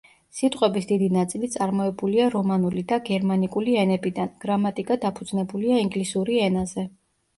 სიტყვების დიდი ნაწილი წარმოებულია რომანული და გერმანიკული ენებიდან, გრამატიკა დაფუძნებულია ინგლისური ენაზე.